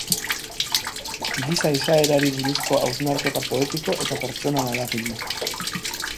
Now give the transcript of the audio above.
Giza izaerari buruzko hausnarketa poetiko eta pertsonala da filma.